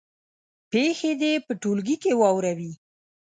پېښې دې په ټولګي کې واوروي.